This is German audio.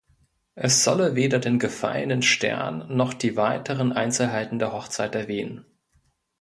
Es solle weder den gefallenen Stern, noch die weiteren Einzelheiten der Hochzeit erwähnen.